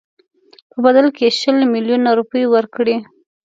په بدل کې شل میلیونه روپۍ ورکړي.